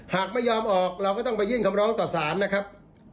หากไม่ยอมออกเราก็ต้องไปยื่นคำร้องต่อสารนะครับ